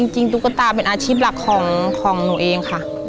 ตุ๊กตาเป็นอาชีพหลักของหนูเองค่ะ